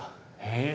へえ。